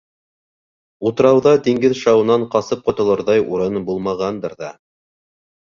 Утрауҙа диңгеҙ шауынан ҡасып ҡотолорҙай урын булмағандыр ҙа.